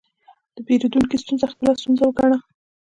د پیرودونکي ستونزه خپله ستونزه وګڼه.